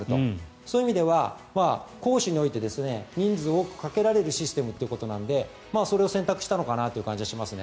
そういう意味では攻守において人数を多くかけられるシステムなのでそれを選択したのかなという感じがしますね。